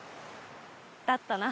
だったな。